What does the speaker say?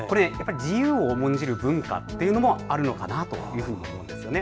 自由を重んじる文化というのもあるのかなというふうに思うんですよね。